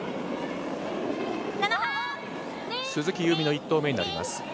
鈴木夕湖の１投目になります。